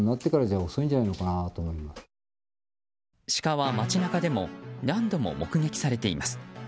シカは街中でも何度も目撃されています。